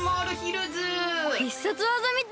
必殺技みたい！